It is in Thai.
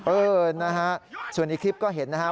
เออนะฮะส่วนอีกคลิปก็เห็นนะฮะ